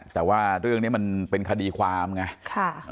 แต่ว่าเรื่องนี้มันเป็นคดีความไง